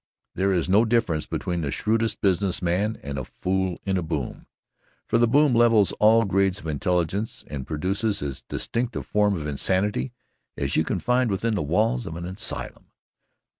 There is no difference between the shrewdest business man and a fool in a boom, for the boom levels all grades of intelligence and produces as distinct a form of insanity as you can find within the walls of an asylum.